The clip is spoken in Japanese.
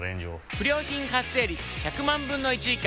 不良品発生率１００万分の１以下。